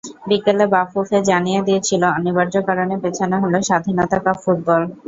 বিকেলে বাফুফে জানিয়ে দিয়েছিল, অনিবার্য কারণে পেছানো হলো স্বাধীনতা কাপ ফুটবল।